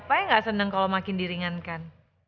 siapa yang gak senang kalau makin diringankan